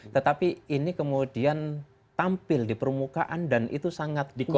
tetapi ini kemudian tampil di permukaan dan itu sangat diperlukan